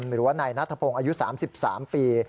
หรือว่านายนัทพงศ์อายุ๓๓ปี